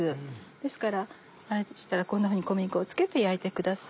ですからこんなふうに小麦粉を付けて焼いてください。